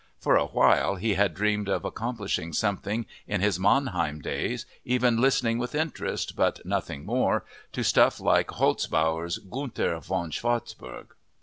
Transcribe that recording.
For a while he had dreamed of accomplishing something in his Mannheim days, even listening with interest, but nothing more, to stuff like Holzbauer's Gunther von Schwarzburg.